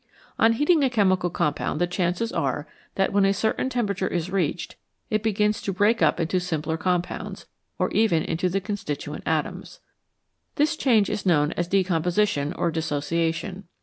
On heating a chemical compound the chances are that when a certain temperature is reached it begins to break up into simpler compounds, or even into the constituent atoms. This change is known as decomposition or dissociation.